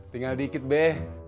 tinggal dikit be